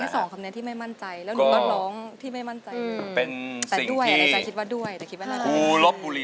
แต่อันสองคำนี้ที่ไม่มั่นใจ